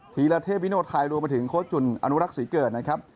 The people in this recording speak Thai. ธีรเทพวิโนไทยรวมไปถึงโค้ชจุ่นอนุรักษ์ศรีเกิดนะครับ